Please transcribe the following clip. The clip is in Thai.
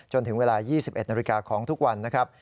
จนถึงเวลา๒๑นาฬิกาของทุกวันนะครับ